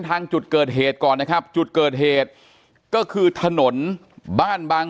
ทางจุดเกิดเหตุก่อนนะครับจุดเกิดเหตุก็คือถนนบ้านบาง